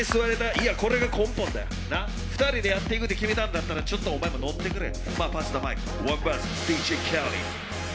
いや、これが根本だよ２人でやっていくって決めたんだったらちょっとお前ものってくれよ。